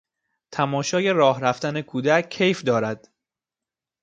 تماشای راه رفتن کودک کیف دارد.